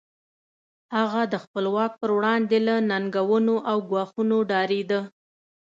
هغه د خپل واک پر وړاندې له ننګونو او ګواښونو ډارېده.